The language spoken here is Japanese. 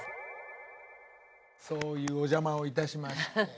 そういうお邪魔をいたしまして。